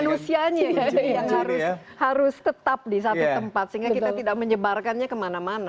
manusianya yang harus tetap di satu tempat sehingga kita tidak menyebarkannya kemana mana